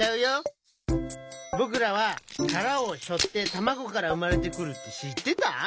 ぼくらはからをしょってたまごからうまれてくるってしってた？